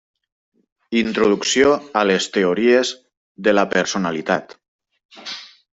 Introducció a les Teories de la Personalitat.